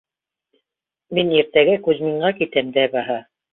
Мин иртәгә Кузьминға китәм дә баһа.